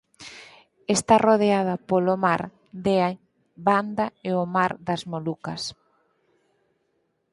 Está rodeada polo mar de Banda e o mar das Molucas.